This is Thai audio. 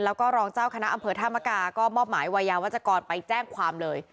แล้วก็รองเจ้าคณะอำเภอธามกาก็มอบหมายวัยยาวัชกรไปแจ้งความเลย